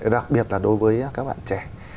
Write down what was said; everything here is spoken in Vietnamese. đặc biệt là đối với các bạn trẻ